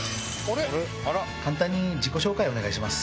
簡単に自己紹介をお願いします。